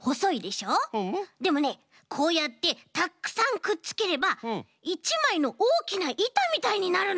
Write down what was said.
でもねこうやってたくさんくっつければ１まいのおおきないたみたいになるの。